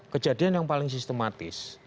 kejadian yang paling sistematis